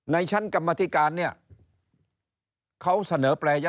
ในชั้นกรรมธิการเนี่ยเขาเสนอแปรยะ